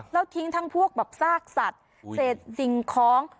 แล้วทิ้งทั้งพวกแบบซากสัตว์เศษสิ่งของ